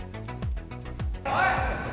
おい！